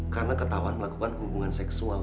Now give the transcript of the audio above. karena ketahuan melakukan hubungan seksual